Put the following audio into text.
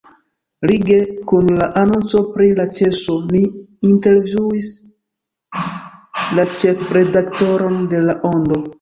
Lige kun la anonco pri la ĉeso ni intervjuis la ĉefredaktoron de La Ondo.